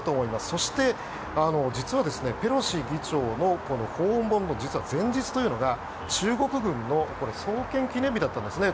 そして実は、ペロシ議長の訪問の前日というのが中国軍の創建記念日だったんですね。